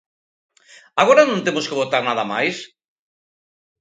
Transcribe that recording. ¿Agora non temos que votar nada máis?